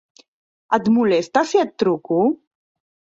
Et molesta si et truco?